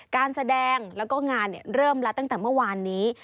การแสดงแล้วก็งานเริ่มแล้วตั้งแต่เมื่อวานนี้